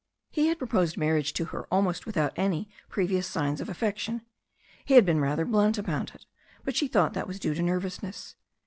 He had proposed marriage to her almost without any pre vious signs of affection. He had been rather blunt about it, but she thought that was due to nervousness.